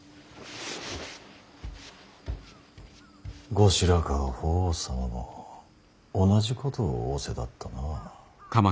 後白河法皇様も同じことを仰せだったな。